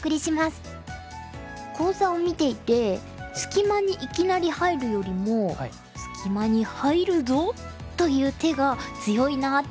講座を見ていて隙間にいきなり入るよりも「隙間に入るぞ！」という手が強いなって感じました。